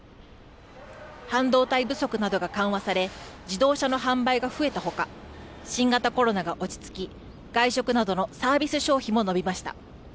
半導体不足などが緩和され自動車の販売が増えたほか新型コロナが落ち着き外食などのサービス消費も伸びました。